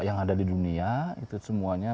yang ada di dunia itu semuanya